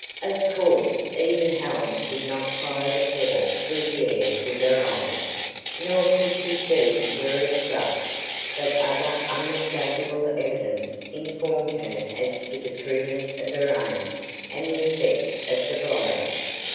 Of course even Helen could not follow the pebble through the air with her eyes, nor could she see where it struck, but other unmistakable evidence informed her as to the trueness of her aim and the effect of the blow.